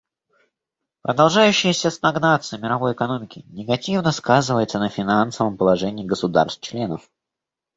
Продолжающаяся стагнация мировой экономики негативно сказывается на финансовом положении государств-членов.